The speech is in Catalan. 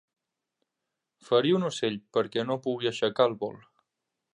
Ferir un ocell perquè no pugui aixecar el vol.